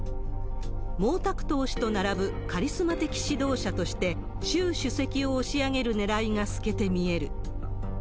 毛沢東氏と並ぶカリスマ的指導者として、習主席を押し上げるねらいが透けて見える。